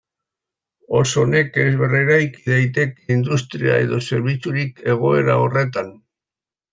Oso nekez berreraiki daiteke industria edo zerbitzurik egoera horretan.